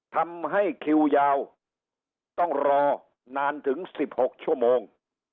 ทำให้คิวยาวต้องรอนานถึง๑๖ชั่วโมง